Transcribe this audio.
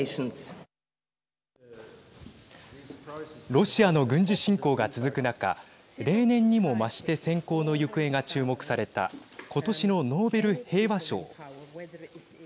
ロシアの軍事侵攻が続く中例年にも増して選考の行方が注目された今年のノーベル平和賞。